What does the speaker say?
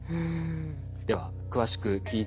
では詳しく聞いていきましょう。